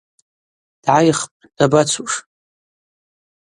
Дгӏайхпӏ, дабацуш.